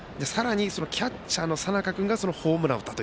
キャッチャーの佐仲君がホームランを打った。